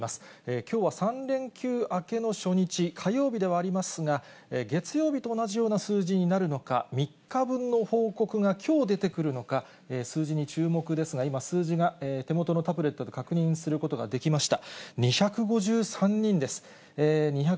きょうは３連休明けの初日、火曜日ではありますが、月曜日と同じような数字になるのか、３日分の報告がきょう出てくるのか、数字に注目ですが、今、数字が手元のタブレットで確認することができました。